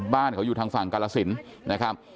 บ้านเขาอยู่ทางฝั่งกาลสินนะครับ